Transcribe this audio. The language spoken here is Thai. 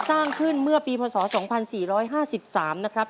สร้างขึ้นเมื่อปีพศ๒๔๕๓นะครับ